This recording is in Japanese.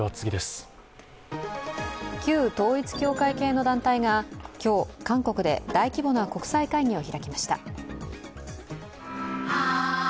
旧統一教会系の団体が今日、韓国で大規模な国際会議を開きました。